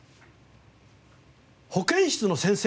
保健室の先生。